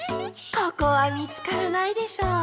ここはみつからないでしょう。